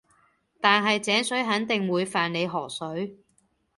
但係井水肯定會犯你河水